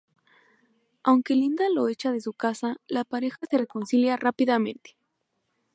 Aunque Linda lo echa de su casa, la pareja se reconcilia rápidamente.